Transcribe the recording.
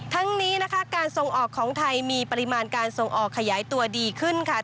ทั้งนี้นะคะการส่งออกของไทยมีปริมาณการส่งออกขยายตัวดีขึ้นค่ะ